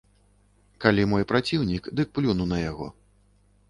Калі мой праціўнік, дык плюну на яго.